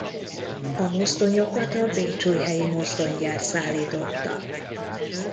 A mozdonyokat a Bécsújhelyi Mozdonygyár szállította.